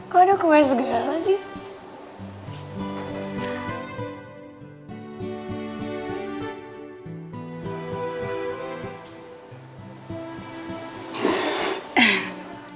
kok ada kue segala sih